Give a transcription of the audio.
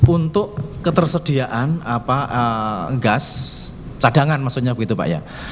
untuk ketersediaan gas cadangan maksudnya begitu pak ya